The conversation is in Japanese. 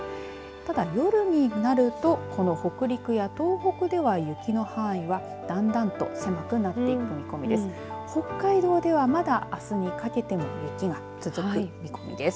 ただ、夜になるとこの北陸や東北では雪の範囲はだんだんと狭くなっていく見込みです。